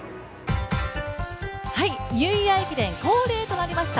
ニューイヤー駅伝恒例となりました